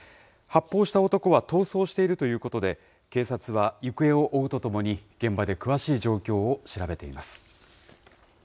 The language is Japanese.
発砲した男は逃走しているということで、警察は行方を追うとともに、現場で詳しい状況を調べています。